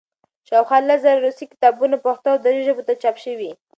شاوخوا لس زره روسي کتابونه پښتو او دري ژبو ته چاپ شوي.